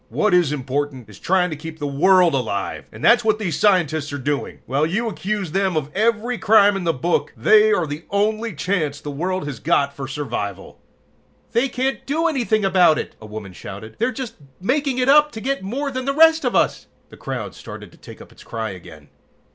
What is important is trying to keep the world alive, and that's what these scientists are doing. "While you accuse them of every crime in the book, they are the only chance the world has got for survival!" "They can't do anything about it!" a woman shouted. "They're just making it up to get more than the rest of us!" The crowd started to take up its cry again.